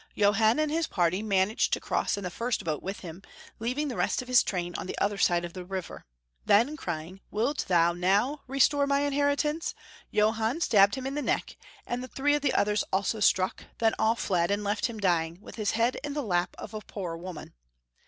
Johann and his party managed to cross in the first boat with him, leaving the rest of his train on the other side of the river. Then, crying, " Wilt thou now restore my inheritance?" Johann stabbed him in the neck, and three of the others also struck ; then all fled, and left him dying, with his head in the lap of a poor woman.